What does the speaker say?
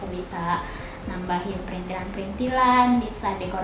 bisa nambah perintilan perintilan bisa dekor dekor